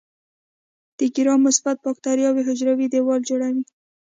د ګرام مثبت باکتریاوو حجروي دیوال جوړوي.